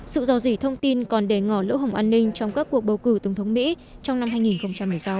sự rò rỉ thông tin còn đề ngỏ lỗ hồng an ninh trong các cuộc bầu cử tổng thống mỹ trong năm hai nghìn một mươi sáu